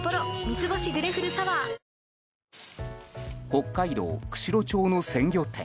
北海道釧路町の鮮魚店。